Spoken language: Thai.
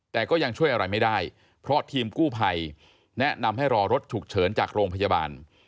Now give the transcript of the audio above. แต่ก็ยังช่วยอะไรไม่ได้เพราะทีมกู้ภัยแนะนำให้รอรถฉุกเฉินจากโรงพยาบาล